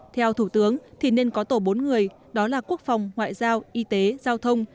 theo thủ tướng thì nên có tổ bốn người đó là quốc phòng ngoại giao y tế giao thông